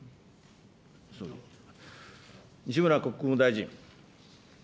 西村国務大臣。